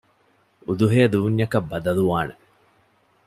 އުދުހޭ ދޫންޏަކަށް ބަދަލުވާނެ